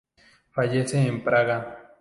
Fallece en Praga.